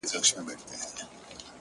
o دى وايي دا؛